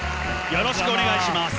よろしくお願いします。